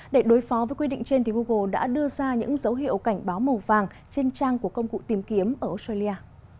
để đối phó với quy định trên google đã đưa ra những dấu hiệu cảnh báo màu vàng trên trang của công cụ tìm kiếm ở australia